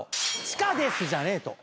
「地下です」じゃねえと。